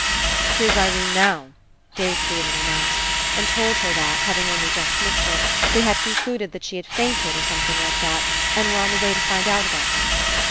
"Here's Irene now," Dave Freeland announced, and told her that, having only just missed her, they had concluded that she had fainted or something like that, and were on the way to find out about her.